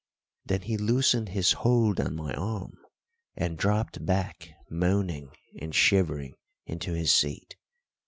Then he loosened his hold on my arm and dropped back moaning and shivering into his seat.